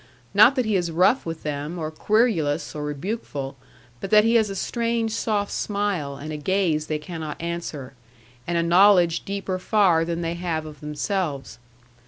Not that he is rough with them, or querulous, or rebukeful; but that he has a strange soft smile, and a gaze they cannot answer, and a knowledge deeper far than they have of themselves.